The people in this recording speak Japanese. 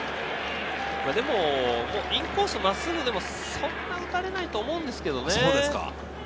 でもインコース真っすぐでも、そんなに打たれないと思うんですけどね。